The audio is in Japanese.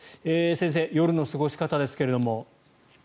先生、夜の過ごし方ですが。